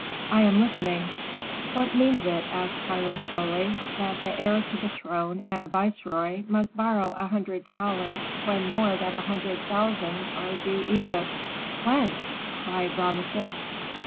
"I am listening." "What means it," asked Hiram, slowly, "that the heir to the throne and a viceroy must borrow a hundred talents when more than a hundred thousand are due Egypt?" "Whence?" cried Rameses.